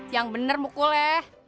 yang bener mukulnya